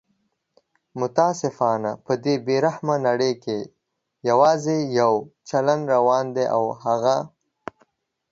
متاسفانه په دې بې رحمه نړۍ کې یواځي یو چلند روان دی او هغه